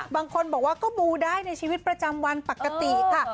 บางคนบอกว่าก็มูได้ในชีวิตประจำวันปกติค่ะ